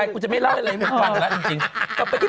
กูจะไม่เล่าอะไรให้เหมือนกันแล้วจริง